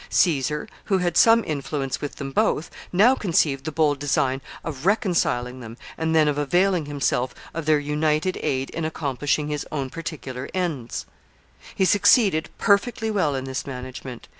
Caesar, who had some influence with them both, now conceived the bold design of reconciling them, and then of availing himself of their united aid in accomplishing his own particular ends. [Sidenote: The first triumvirate.] He succeeded perfectly well in this management.